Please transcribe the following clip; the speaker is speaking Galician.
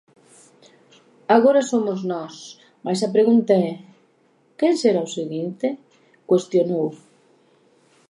Agora somos nós, mais a pregunta é: Quen será o seguinte?, cuestionou.